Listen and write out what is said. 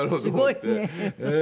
すごいね。